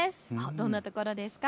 どんなところですか。